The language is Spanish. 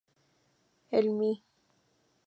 El My.